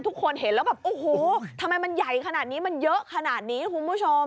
ทุกคนเห็นแล้วแบบโอ้โหทำไมมันใหญ่ขนาดนี้มันเยอะขนาดนี้คุณผู้ชม